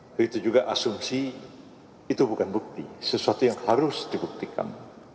begitu juga asumsi itu bukan bukti sesuatu yang harus dibuktikan